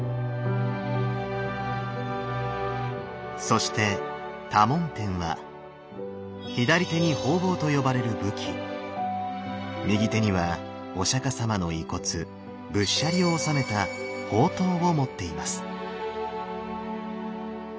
そして多聞天は左手に宝棒と呼ばれる武器右手にはお釈様の遺骨仏舎利を納めた宝塔を持っています。